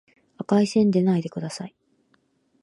赤い線でないでください